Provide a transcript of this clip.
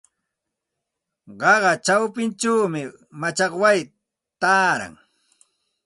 Qaqa chawpinchawmi machakway taaran.